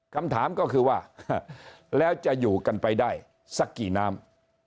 คำถามก็คือว่าแล้วจะอยู่กันไปได้สักกี่น้ำ